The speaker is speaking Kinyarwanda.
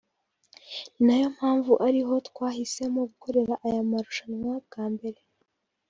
ni nayo mpamvu ariho twahisemo gukorera aya marushanwa bwa mbere